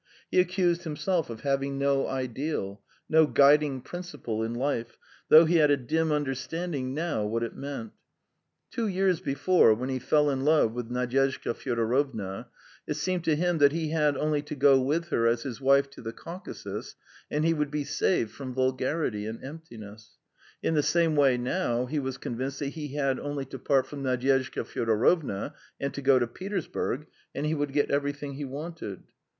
He accused himself of having no ideal, no guiding principle in life, though he had a dim understanding now what it meant. Two years before, when he fell in love with Nadyezhda Fyodorovna, it seemed to him that he had only to go with her as his wife to the Caucasus, and he would be saved from vulgarity and emptiness; in the same way now, he was convinced that he had only to part from Nadyezhda Fyodorovna and to go to Petersburg, and he would get everything he wanted.